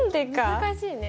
難しいね。